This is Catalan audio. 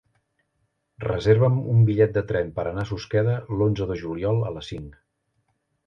Reserva'm un bitllet de tren per anar a Susqueda l'onze de juliol a les cinc.